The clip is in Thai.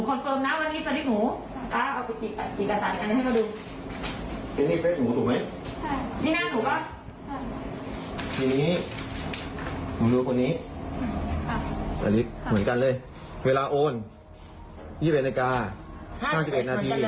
ครับทีนี้ของหนูคนนี้ครับครับเหมือนกันเลยเวลาโอนยี่สิบเอ็ดนาคาร์ห้าสิบเอ็ดเหมือนกันเลย